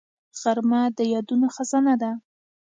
غرمه د یادونو خزانه ده